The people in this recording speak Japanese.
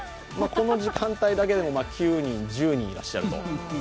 この時間帯だけでも９人、１０人いらっしゃると。